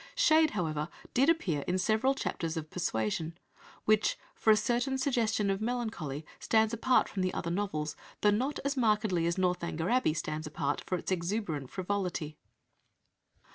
Shade, however, did appear in several chapters of Persuasion, which, for a certain suggestion of melancholy, stands apart from the other novels, though not as markedly as Northanger Abbey stands apart for its exuberant frivolity.